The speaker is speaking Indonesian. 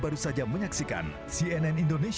usai padre yang layu ngerti oleh si c centang valdez